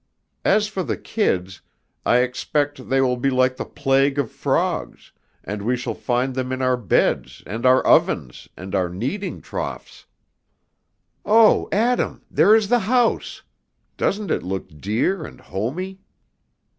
As for the kids, I expect they will be like the plague of frogs, and we shall find them in our beds and our ovens and our kneading troughs. Oh, Adam, there is the house! Doesn't it look dear and homey?"